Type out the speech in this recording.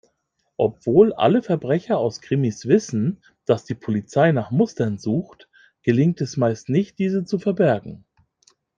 Obwohl alle Verbrecher aus Krimis wissen, dass die Polizei nach Mustern sucht, gelingt es meist nicht, diese zu verbergen.